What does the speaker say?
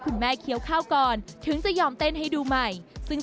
เคี้ยวข้าวก่อนถึงจะยอมเต้นให้ดูใหม่ซึ่ง